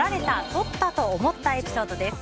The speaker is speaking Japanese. とった！と思ったエピソードです。